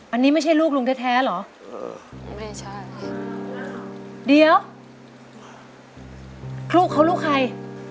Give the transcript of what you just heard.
อันนี้ไม่ใช่ลูกลุงแท้เหรอไม่ใช่เดี๋ยวลูกเขาลูกใคร